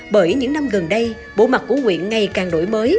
bởi những năm gần đây bộ mặt của nguyện ngày càng đổi mới